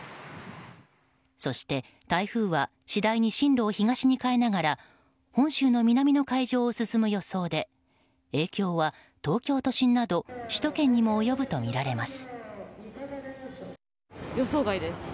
そして、台風は次第に進路を東に変えながら本州の南の海上を進む予想で影響は東京都心など首都圏にも及ぶとみられます。